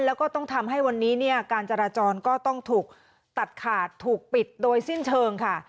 แล้วก็ต้องทำให้วันนี้เนี่ยการจราจรก็ต้องถูกตัดขาดถูกปิดโดยสิ้นเชิงค่ะ